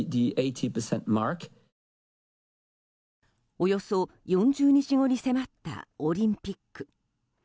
およそ４０日後に迫ったオリンピック。